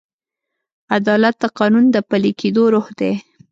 عدالت د قانون د پلي کېدو روح دی.